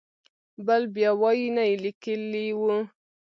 بل بیا وایي نه یې لیکلی و.